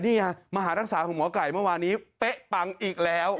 มหารักษาของหมอไก่เมื่อวานนี้เป๊ะปังอีกแล้ว